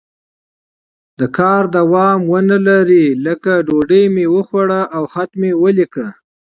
د کار دوام ونه لري لکه ډوډۍ مې وخوړه او خط مې ولیکه.